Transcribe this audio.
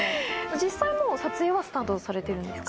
実際もう撮影はスタートされてるんですか？